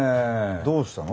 どうしたの？